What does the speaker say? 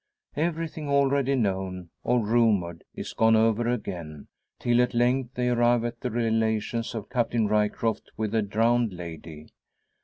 Everything already known, or rumoured, is gone over again, till at length they arrive at the relations of Captain Ryecroft with the drowned lady.